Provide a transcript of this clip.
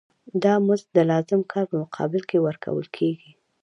دا مزد د لازم کار په مقابل کې ورکول کېږي